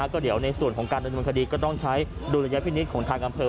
ก็เดี๋ยวในส่วนของการดำเนินคดีก็ต้องใช้ดุลยพินิษฐ์ของทางอำเภอ